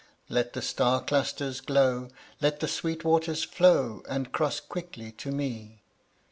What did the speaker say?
Let the star clusters glow, Let the sweet waters flow, And cross quickly to me.